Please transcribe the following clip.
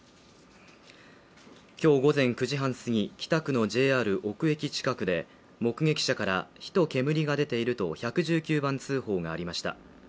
今日午前９時半すぎ、北区のＪＲ尾久駅近くで目撃者から、火と煙が出ていると１１９番通報がありました。